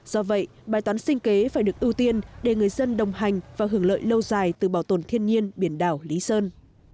do vậy bài toán sinh kế phải được ưu tiên để người dân đồng hành và hưởng lợi lâu dài từ bảo tồn thiên nhiên biển đảo lý sơn